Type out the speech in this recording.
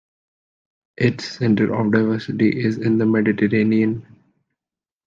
Its center of diversity is in the Mediterranean.